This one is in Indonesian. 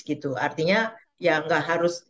gitu artinya ya nggak harus